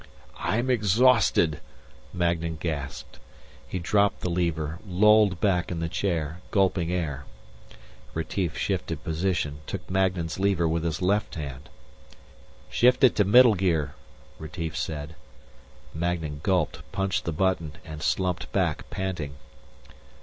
"I'm exhausted," Magnan gasped. He dropped the lever, lolled back in the chair, gulping air. Retief shifted position, took Magnan's lever with his left hand. "Shift it to middle gear," Retief said. Magnan gulped, punched the button and slumped back, panting.